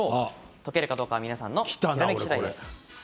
解けるかどうかは皆さんのひらめきしだいです。